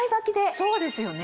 そうですよね